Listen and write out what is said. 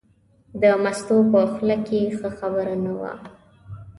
د مستو په خوله کې ښه خبره نه وه.